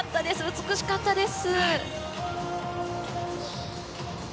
美しかったです。